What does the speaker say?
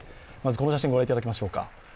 この写真を御覧いただきましょうか。